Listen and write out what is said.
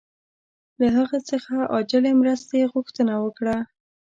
له هغه څخه یې عاجلې مرستې غوښتنه وکړه.